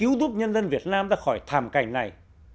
ai đã cứu giúp nhân dân việt nam ra khỏi thàm cảnh này